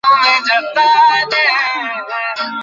তা হলে কেন এ বিড়ম্বনা?